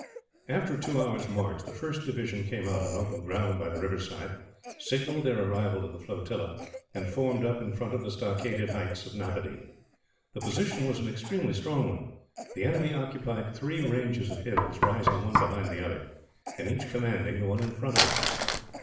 After a two hours' march, the first division came out on open ground by the river side, signalled their arrival to the flotilla, and formed up in front of the stockaded heights of Napadee. The position was an extremely strong one. The enemy occupied three ranges of hills, rising one behind the other, and each commanding the one in front of it.